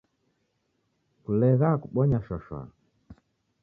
Kulegha kubonya shwa -shwa